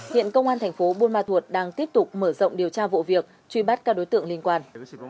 hiện công an thành phố buôn ma thuột đang tiếp tục mở rộng điều tra vụ việc truy bắt các đối tượng liên quan